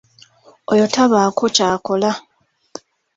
Oyo tabaako kyakola.